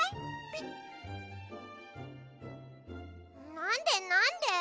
なんでなんで？